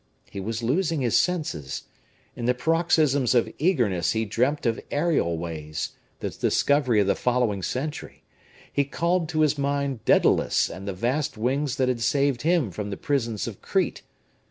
He was losing his senses. In the paroxysms of eagerness he dreamt of aerial ways, the discovery of the following century; he called to his mind Daedalus and the vast wings that had saved him from the prisons of Crete.